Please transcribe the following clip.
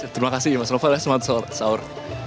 terima kasih mas novel ya selamat sahur